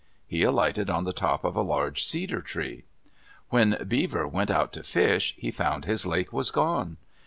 He alighted on the top of a large cedar tree. When Beaver went out to fish, he found his lake was gone.